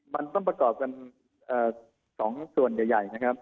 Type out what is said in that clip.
มันต้องประกอบกัน๒ส่วนใหญ่นะครับ